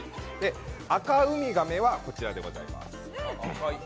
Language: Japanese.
アカウミガメはこちらでございます。